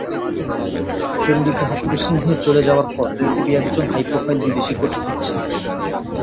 চন্ডিকা হাথুরুসিংহে চলে যাওয়ার পর বিসিবি একজন হাইপ্রোফাইল বিদেশি কোচ খুঁজছে।